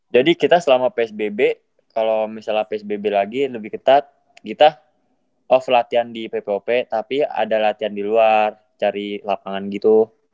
jadi kita selama psbb kalo misalnya psbb lagi lebih ketat kita off latihan di ppop tapi ada latihan di luar cari lapangan gitu